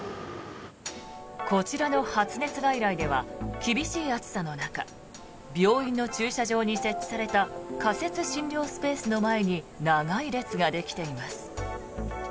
こちらの発熱外来では厳しい暑さの中病院の駐車場に設置された仮設診療スペースの前に長い列ができています。